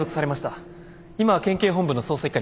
今は県警本部の捜査一課にいます。